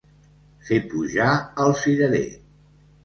Fer pujar al cirerer.